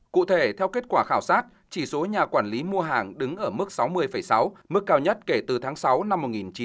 cụ thể theo kết quả khảo sát chỉ số nhà quản lý mua hàng đứng ở mức sáu mươi sáu mức cao nhất kể từ tháng sáu năm một nghìn chín trăm chín mươi